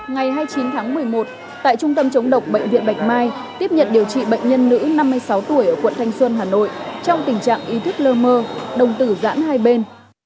ngày hai mươi chín tháng một mươi một tại trung tâm chống độc bệnh viện bạch mai tiếp nhận điều trị bệnh nhân nữ năm mươi sáu tuổi ở quận thanh xuân hà nội trong tình trạng ý thức lơ mơ đồng tử giãn hai bên